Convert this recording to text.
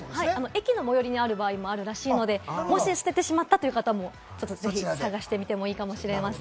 駅の最寄りにあるかもしれないので、もし捨てちゃったという方も探してみてもいいかもしれま